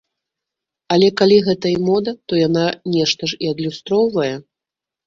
Але калі гэта і мода, то яна нешта ж і адлюстроўвае.